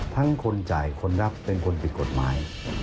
คนจ่ายคนรับเป็นคนผิดกฎหมาย